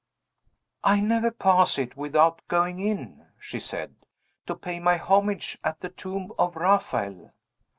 "I never pass it without going in," she said, "to pay my homage at the tomb of Raphael."